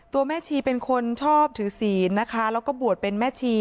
แม่ชีเป็นคนชอบถือศีลนะคะแล้วก็บวชเป็นแม่ชี